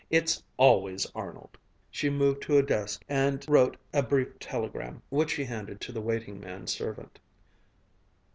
It's always Arnold!" She moved to a desk and wrote a brief telegram which she handed to the waiting man servant.